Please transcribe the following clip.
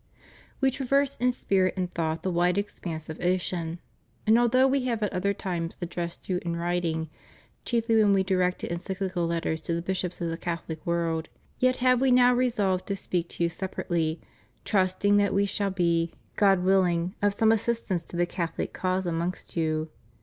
We traverse in spirit and thought the wide expanse of ocean; and although We have at other times addressed you in writing — chiefly when We directed Encyclical Letters to the bishops of the Catholic world — ^yet have We now resolved to speak to you separately, trusting that We shall be, God willing, of some assistance to the Catholic cause amongst you.